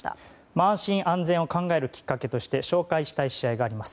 安心・安全を考えるきっかけとして紹介したい試合があります。